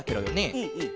うんうん。